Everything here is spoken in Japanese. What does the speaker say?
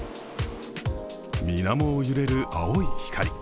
水面を揺れる青い光。